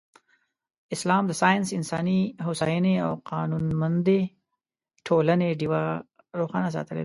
اسلام د ساینس، انساني هوساینې او قانونمندې ټولنې ډېوه روښانه ساتلې.